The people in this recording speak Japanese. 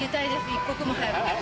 一刻も早く。